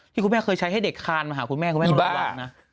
ที่คุณแม่เคยใช้ให้เด็กคานมาหาคุณแม่คุณแม่บอกว่านะ